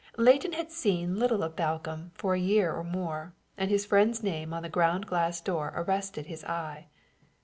Leighton had seen little of Balcomb for a year or more, and his friend's name on the ground glass door arrested his eye.